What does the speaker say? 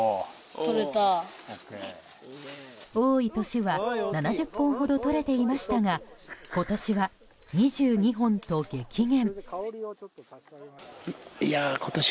多い年は７０本ほど採れていましたが今年は２２本と激減。